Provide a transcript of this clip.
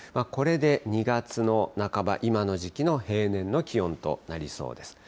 これで２月の半ば、今の時期の平年の気温となりそうです。